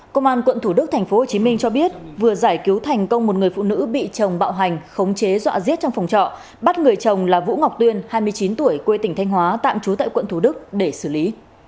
công an quận thủ đức tp hcm cho biết vừa giải cứu thành công một người phụ nữ bị chồng bạo hành khống chế dọa giết trong phòng trọ bắt người chồng là vũ ngọc tuyên hai mươi chín tuổi quê tỉnh thanh hóa tạm trú tại quận thủ đức để xử lý